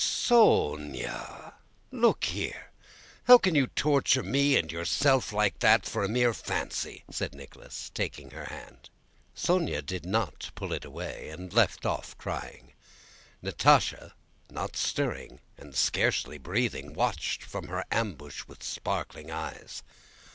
"Só o onya! Look here! How can you torture me and yourself like that, for a mere fancy?" said Nicholas taking her hand. Sónya did not pull it away, and left off crying. Natásha, not stirring and scarcely breathing, watched from her ambush with sparkling eyes.